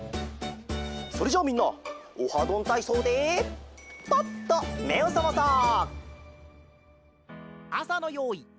それじゃあみんな「オハどんたいそう」でパッとめをさまそう！